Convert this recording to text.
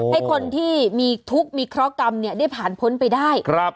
ให้คนที่มีทุกข์มีเคราะหกรรมได้ผ่านพ้นไปได้